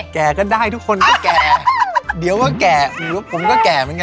แก่ก็ได้ทุกคนก็แก่เดี๋ยวก็แก่ผมก็แก่เหมือนกัน